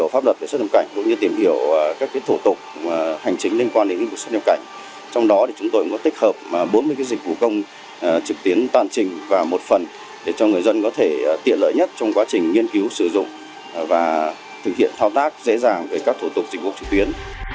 hành trình liên quan đến lĩnh vực xuất nhập cảnh trong đó chúng tôi có tích hợp bốn mươi dịch vụ công trực tiến toàn trình và một phần để cho người dân có thể tiện lợi nhất trong quá trình nghiên cứu sử dụng và thực hiện thao tác dễ dàng với các thủ tục dịch vụ trực tuyến